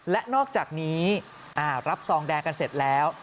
และนอกจากนี้รับซองแดงกันเสร็จแล้ว